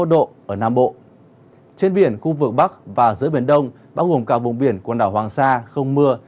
trên biển khu vực bắc và giữa biển đông bao gồm cả vùng biển quần đảo hoàng sa không mưa